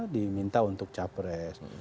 diminta untuk capres